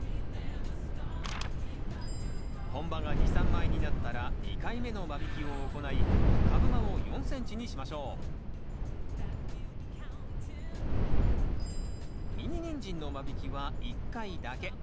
本葉が２３枚になったら２回目の間引きを行い株間を４ｃｍにしましょうミニニンジンの間引きは１回だけ。